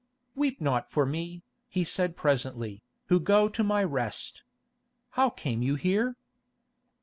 "Weep not for me," he said presently, "who go to my rest. How came you here?"